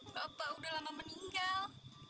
bapak udah lama meninggal